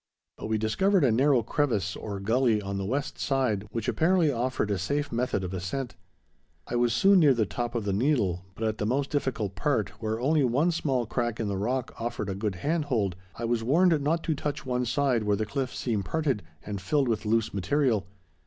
But we discovered a narrow crevice or gully on the west side which apparently offered a safe method of ascent. I was soon near the top of the needle, but at the most difficult part, where only one small crack in the rock offered a good hand hold, I was warned not to touch one side where the cliff seemed parted, and filled with loose material.